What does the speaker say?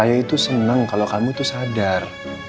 saya itu senang kalau kamu itu sadar